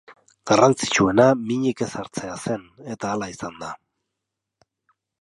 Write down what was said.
Garrantzitsuena minik ez hartzea zen, eta hala izan da.